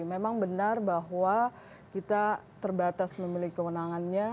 memang benar bahwa kita terbatas memiliki kewenangannya